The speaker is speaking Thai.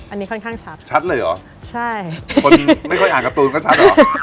อันนี้ค่อนข้างชัดชัดเลยเหรอใช่คนไม่ค่อยอ่านการ์ตูนก็ชัดเหรอ